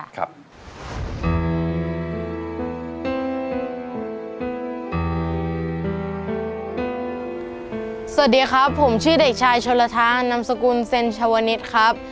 สวัสดีครับผมชื่อเด็กชายโชลณาตานำสกุลเซ็นชัวร์นิสครับ